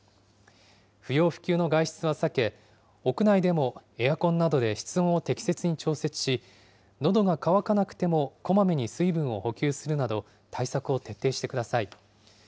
不要不急の外出は避け、屋内でもエアコンなどで室温を適切に調節し、のどが渇かなくてもこまめに水分を補給するなど、対策を徹底してください。